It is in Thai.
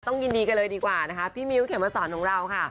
ยินดีกันเลยดีกว่านะคะพี่มิ้วเขมมาสอนของเราค่ะ